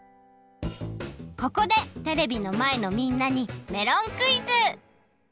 ここでテレビのまえのみんなにメロンクイズ！